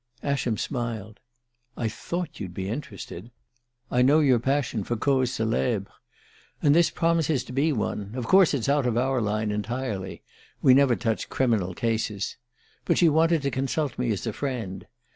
_" Ascham smiled. "I thought you'd be interested; I know your passion for causes celebres. And this promises to be one. Of course it's out of our line entirely we never touch criminal cases. But she wanted to consult me as a friend.